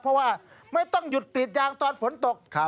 เพราะว่าไม่ต้องหยุดกรีดยางตอนฝนตก